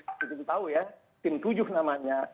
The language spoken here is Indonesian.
kita tahu ya tim tujuh namanya